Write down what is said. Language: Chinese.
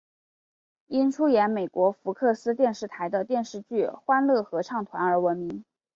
因出演美国福克斯电视台的电视剧欢乐合唱团而闻名。